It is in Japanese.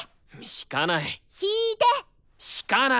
弾かない！